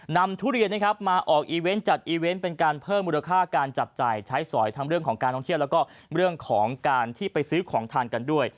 ทุเรียนนะครับมาออกอีเวนต์จัดอีเวนต์เป็นการเพิ่มมูลค่าการจับจ่ายใช้สอยทั้งเรื่องของการท่องเที่ยวแล้วก็เรื่องของการที่ไปซื้อของทานกันด้วย